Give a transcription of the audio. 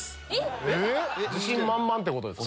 自信満々ってことですか。